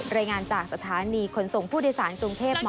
รายงานจากสถานีขนส่งผู้โดยสารกรุงเทพฯหมที่๒ค่ะ